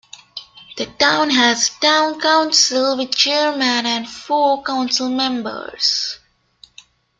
The town has a town council with a chairman and four councilmembers.